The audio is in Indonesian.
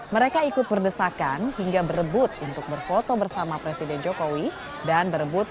mereka ikut berdesakan hingga berebut untuk berfoto bersama presiden jokowi dan berebut